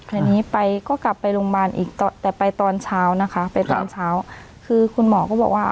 อันนี้ไปก็กลับไปโรงบาลอีกแต่ไปตอนเช้านะคะคือคุณหมอก็บอกว่า